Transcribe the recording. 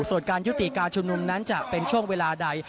ส่วนการยุติการชุมนุมนั้นจะเป็นช่วงเวลาใด